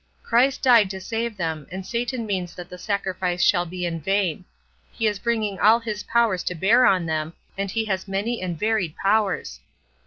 Christ died to save them, and Satan means that the sacrifice shall be in vain. He is bringing all his powers to bear on them; and he has many and varied powers.